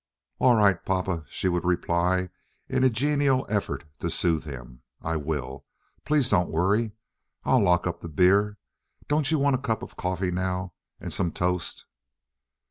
"All right, papa," she would reply in a genial effort to soothe him, "I will. Please don't worry. I'll lock up the beer. Don't you want a cup of coffee now and some toast?"